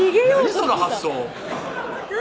その発想何？